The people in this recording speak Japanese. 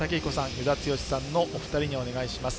与田剛さんのお二人にお願いします。